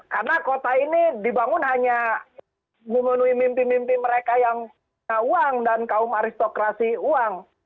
karena kota ini dibangun hanya memenuhi mimpi mimpi mereka yang punya uang dan kaum aristokrasi uang